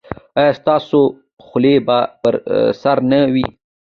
ایا ستاسو خولۍ به پر سر نه وي؟